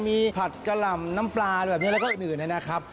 มีผัดกะหล่ำน้ำปลาแบบนี้แล้วก็อื่นนะครับ